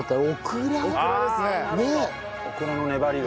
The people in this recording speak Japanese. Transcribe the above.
オクラの粘りが。